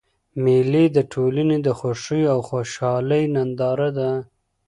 مېلې د ټولني د خوښیو او خوشحالۍ ننداره ده.